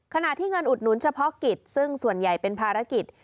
ขณะที่เงินอุดหนุนเฉพาะกิจซึ่งส่วนใหญ่เป็นภารกิจ